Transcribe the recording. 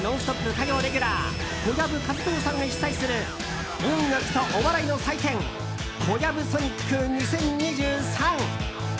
火曜レギュラー小籔千豊さんが主宰する音楽とお笑いの祭典「ＫＯＹＡＢＵＳＯＮＩＣ２０２３」。